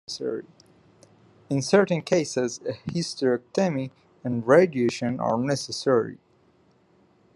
In certain cases, a hysterectomy and radiation are necessary.